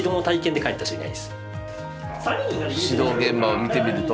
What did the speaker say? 指導現場を見てみると。